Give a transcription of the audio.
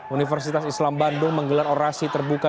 universitas islam bandung menggelar orasi terbuka